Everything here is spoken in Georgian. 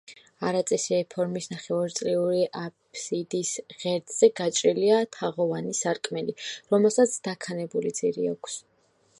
არაწესიერი ფორმის ნახევარწრიული აფსიდის ღერძზე გაჭრილია თაღოვანი სარკმელი, რომელსაც დაქანებული ძირი აქვს.